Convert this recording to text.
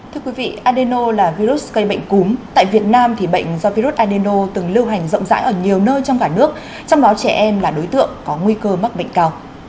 thưa quý vị adeno là virus gây bệnh cúm tại việt nam thì bệnh do virus adeno từng lưu hành rộng rãi ở nhiều nơi trong cả nước trong đó trẻ em là đối tượng có nguy cơ mắc bệnh cao